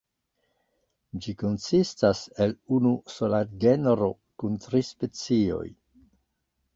Ĝi konsistas el unu sola genro kun tri specioj.